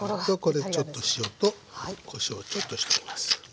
ここでちょっと塩とこしょうをちょっとしています。